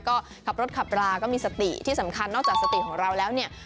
ก็ขับรถขับราก็มีสติที่สำคัญนอกจากสติของเราแล้วเนี่ย